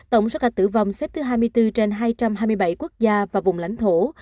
tổng số ca tử vong xếp thứ hai mươi bốn trên hai trăm hai mươi bảy quốc gia và vùng lãnh thổ